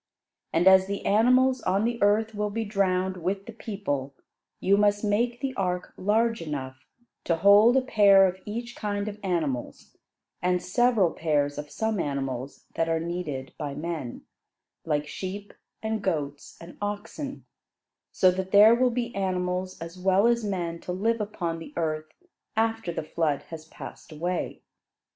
And as the animals on the earth will be drowned with the people, you must make the ark large enough to hold a pair of each kind of animals and several pairs of some animals that are needed by men, like sheep and goats and oxen; so that there will be animals as well as men to live upon the earth after the flood has passed away.